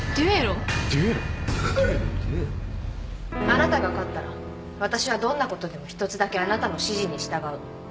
あなたが勝ったらわたしはどんなことでも１つだけあなたの指示に従う。